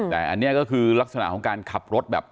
แต่อันนี้ก็คือลักษณะของการขับรถแบบ